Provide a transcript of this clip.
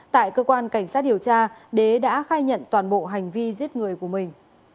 tại cơ quan cảnh sát điều tra đế đã khai nhận toàn bộ hành vi giết người của mình